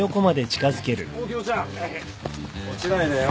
大木戸ちゃん落ちないでよ。